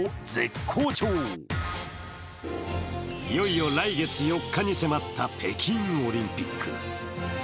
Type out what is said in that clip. いよいよ来月４日に迫った北京オリンピック。